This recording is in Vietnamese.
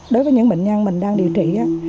đối với những bệnh nhân mình đang điều trị